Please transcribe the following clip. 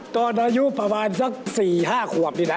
ตอนอายุประมาณสัก๔๕ขวบนี่นะ